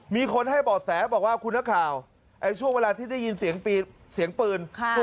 มีคนให้บ่อแสบอกว่าคุณนักข่าวช่วงเวลาที่ได้ยินเสียงเสียงปืน